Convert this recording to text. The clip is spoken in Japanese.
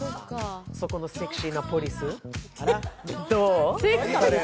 そこのセクシーなポリスから、どう？